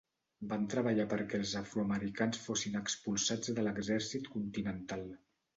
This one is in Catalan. Van treballar perquè els afroamericans fossin expulsats de l'Exèrcit Continental.